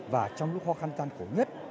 và trong lúc khó khăn gian khổ nhất